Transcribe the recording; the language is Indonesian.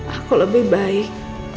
aku lebih baik